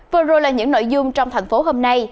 vừa rồi là những nội dung trong thành phố hôm nay